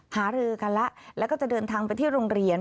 หารือกันแล้วแล้วก็จะเดินทางไปที่โรงเรียน